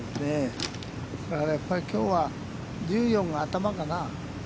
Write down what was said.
だから、やっぱりきょうは１４が頭かな。